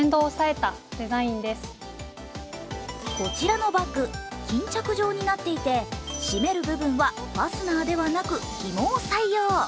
こちらのバッグ、巾着状になっていて、閉める部分はファスナーではなくひもを採用。